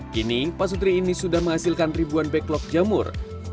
kini pak sutri ini sudah menghasilkan ribuan backlog jamur